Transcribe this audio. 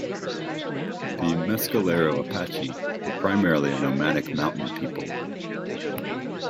The Mescalero Apache were primarily a nomadic mountain people.